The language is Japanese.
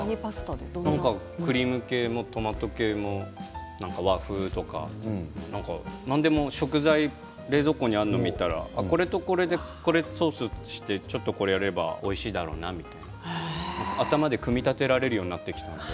クリーム系もトマト系も和風とか何でも食材冷蔵庫にあるのを見たら、これとこれでこのソースにしてちょっとこうやればおいしいだろうなみたいな頭で組み立てられるようになってきたんです。